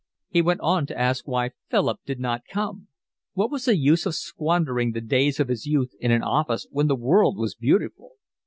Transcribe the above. He went on to ask why Philip did not come. What was the use of squandering the days of his youth in an office when the world was beautiful?